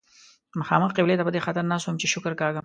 مخامخ قبلې ته په دې خاطر ناست وم چې شکر کاږم.